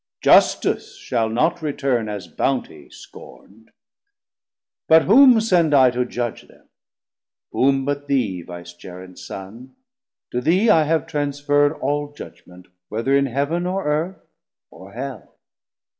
Justice shall not return as bountie scorn'd. But whom send I to judge them? whom but thee Vicegerent Son, to thee I have transferr'd All Judgement, whether in Heav'n, or Earth; or Hell.